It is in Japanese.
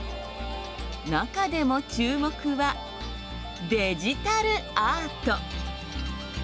中でも注目は「デジタルアート」。